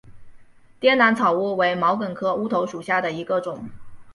滇南草乌为毛茛科乌头属下的一个种。